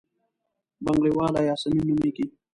بنګړیواله یاسمین نومېږي.